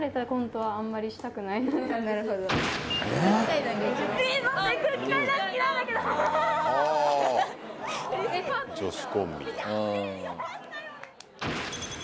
は、女子コンビで。